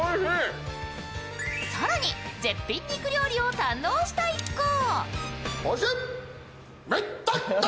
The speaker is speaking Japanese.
更に絶品肉料理を堪能した一行。